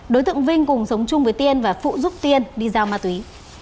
đối tượng vinh cùng sống chung với tiên và phụ giúp tiên đi giao ma túy